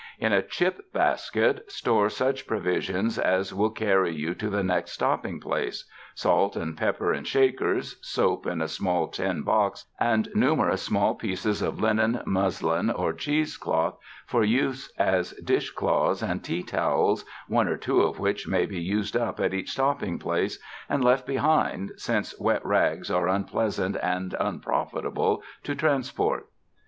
In a chip basket, store such provisions as will carry you to the next stopping place, salt and pepper in shakers, soap in a small tin box, and numerous small pieces of linen, muslin or cheese cloth for use as dish cloths and tea towels, one or two of which may be used up at each stopping place and left behind, since wet rags are unpleasant and unprofitable to transport.